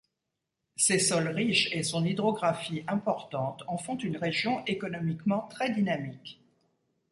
Ses sols riches et son hydrographie importante en font une région économiquement très dynamique.